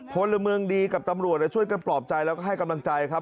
พลเมืองดีกับตำรวจช่วยกันปลอบใจแล้วก็ให้กำลังใจครับ